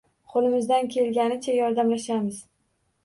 Qo'limizdan kelganicha yordamlashamiz.